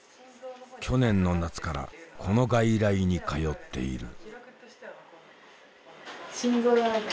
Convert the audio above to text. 去年の夏からこの外来に通っている。